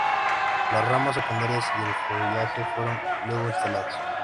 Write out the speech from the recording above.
Las ramas secundarias y el follaje fueron luego instalados.